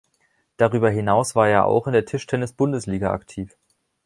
Darüber hinaus war er auch in der Tischtennis-Bundesliga aktiv.